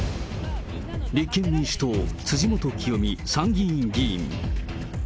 立憲民主党、辻元清美参議院議員。